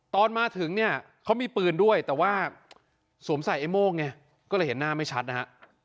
ตอนมาถึงเนี้ยเขามีปืนด้วยแต่สวมใส่ไอโมโกะง่ายเนี้ยก็เห็นหน้ามัยชัดนะ